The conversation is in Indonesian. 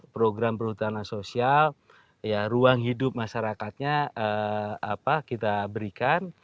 program perhutanan sosial ruang hidup masyarakatnya kita berikan